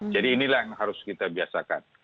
jadi inilah yang harus kita biasakan